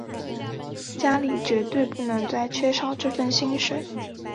家里绝对不能再缺少这份薪水